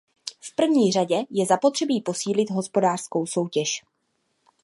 V prvé řadě je zapotřebí posílit hospodářskou soutěž.